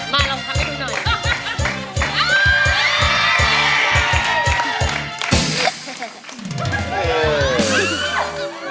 ลองทำให้ดูหน่อย